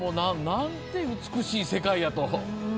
なんて美しい世界やと。